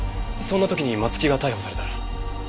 そんな時に松木が逮捕されたら。